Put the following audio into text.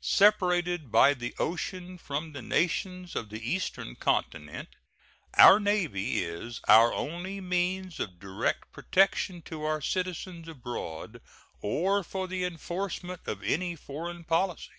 Separated by the ocean from the nations of the Eastern Continent, our Navy is our only means of direct protection to our citizens abroad or for the enforcement of any foreign policy.